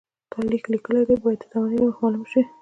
تا لیک لیکلی دی باید د زمانې له مخې معلوم شي.